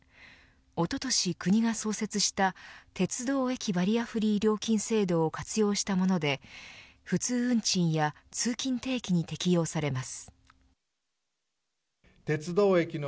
おととし、国が創設した鉄道駅バリアフリー料金制度を活用したもので普通運賃や通勤定期に適用されます。